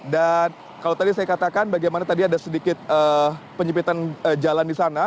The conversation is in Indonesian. dan kalau tadi saya katakan bagaimana tadi ada sedikit penyimpitan jalan di sana